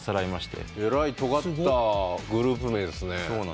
えらいとがったグループ名ですね。